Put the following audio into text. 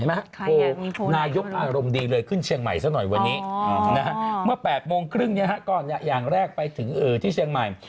นายกอารมณ์ดีเลยขึ้นเชียงใหม่ซะหน่อยวันนี้เมื่อ๘โมงครึ่งอย่างแรกไปถึงที่เชียงใหม่